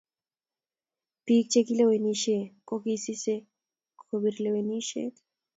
Pik che kilewenishe kokisisike kopire lewenishet